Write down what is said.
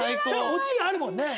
オチがあるもんね。